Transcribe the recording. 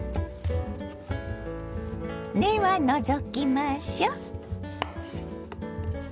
根は除きましょう。